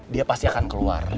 dia pasti akan keluar